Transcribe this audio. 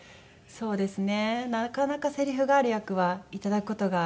そうですね。